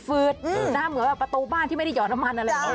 ฟืดหน้าเหมือนว่าประตูบ้านที่ไม่ได้หย่อนมันอะไร